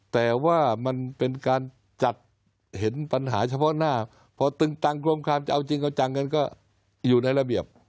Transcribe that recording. แต่ว่ามันเป็นการจัดเห็นปัญหาเฉพาะหน้าพอตึงตังกรมคามจะเอาจริงเอาจังกันก็อยู่ในระเบียบ